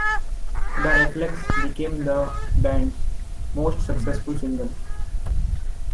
"The Reflex" became the band's most successful single.